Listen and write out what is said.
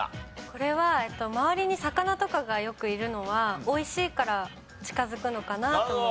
これは周りに魚とかがよくいるのは美味しいから近づくのかなって思って。